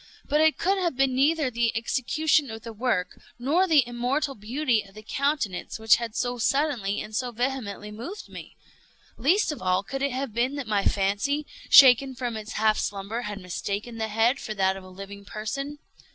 But it could have been neither the execution of the work, nor the immortal beauty of the countenance, which had so suddenly and so vehemently moved me. Least of all, could it have been that my fancy, shaken from its half slumber, had mistaken the head for that of a living person.